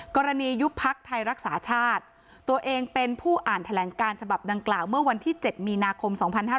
ยุบพักไทยรักษาชาติตัวเองเป็นผู้อ่านแถลงการฉบับดังกล่าวเมื่อวันที่๗มีนาคม๒๕๕๙